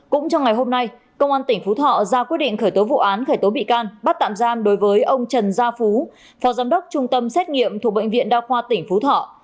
cũng trong ngày hôm nay công an tỉnh phú thọ ra quyết định khởi tố vụ án khởi tố bị can bắt tạm giam đối với ông trần gia phú phó giám đốc trung tâm xét nghiệm thuộc bệnh viện đa khoa tỉnh phú thọ